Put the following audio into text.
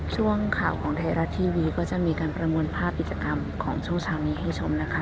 ช่วงข่าวของไทยรัฐทีวีก็จะมีการประมวลภาพกิจกรรมของช่วงเช้านี้ให้ชมนะคะ